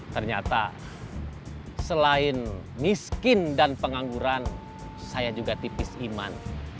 ternyata selain miskin dan pengangguran saya juga tipis iman